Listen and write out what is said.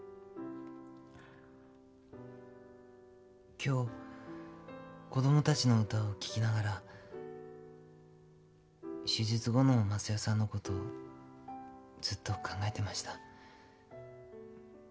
今日子供たちの歌を聴きながら手術後の昌代さんのことをずっと考えてました。